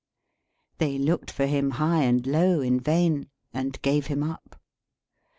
They looked for him high and low, in vain, and gave him up.